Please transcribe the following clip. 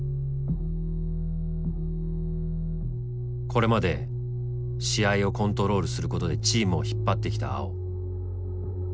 これまで試合をコントロールすることでチームを引っ張ってきた碧。